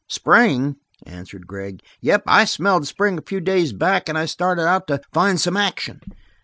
"Spring?" answered Gregg. "Yep, I smelled spring a few days back and I started out to find some action.